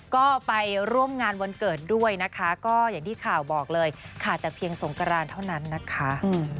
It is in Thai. ก็ไปร่วมงานวันเกิดด้วยนะคะก็อย่างที่ข่าวบอกเลยค่ะแต่เพียงสงกรานเท่านั้นนะคะ